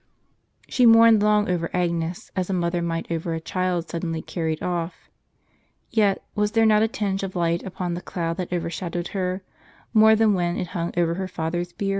She mourned long over Agnes, as a mother might over a child suddenly carried off. Yet, was there not a tinge of light upon the cloud that overshadowed her, more than when it hung over her father's bier?